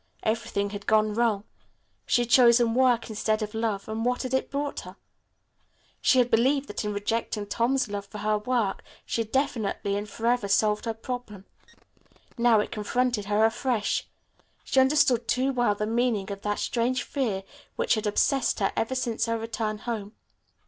Everything had gone wrong. She had chosen work instead of love, and what it brought her? She had believed that in rejecting Tom's love for her work she had definitely and forever solved her problem. Now it confronted her afresh. She understood too well the meaning of that strange fear which had obsessed her ever since her return home.